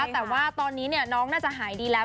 แต่ว่าตอนนี้น้องน่าจะหายดีแล้ว